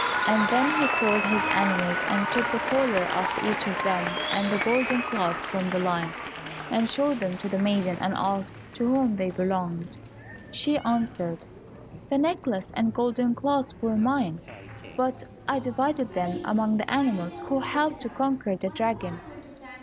And then he called his animals, and took the collar off each of them and the golden clasp from the lion, and showed them to the maiden and asked to whom they belonged. She answered, "The necklace and golden clasp were mine, but I divided them among the animals who helped to conquer the dragon."